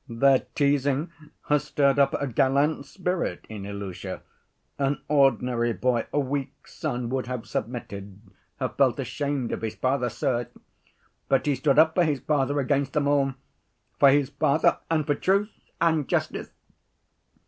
Their teasing has stirred up a gallant spirit in Ilusha. An ordinary boy, a weak son, would have submitted, have felt ashamed of his father, sir, but he stood up for his father against them all. For his father and for truth and justice.